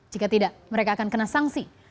jika tidak mereka akan kena sanksi